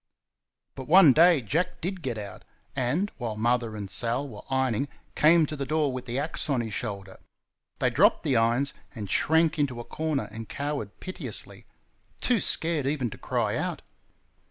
But one day Jack DID get out, and, while Mother and Sal were ironing came to the door with the axe on his shoulder. They dropped the irons and shrank into a corner and cowered piteously too scared even to cry out.